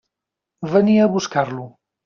Venia a buscar-lo.